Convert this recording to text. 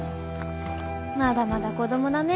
まだまだ子供だね